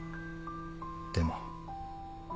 でも。